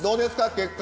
結果。